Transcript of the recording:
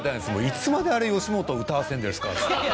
いつまであれ吉本歌わせるんですかっつって。